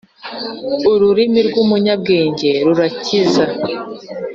ururimi rw’umunyabwenge rurakiza